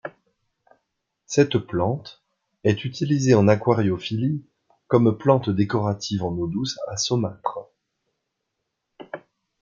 Cette plante est utilisée en aquariophilie comme plante décorative en eau douce à saumâtre.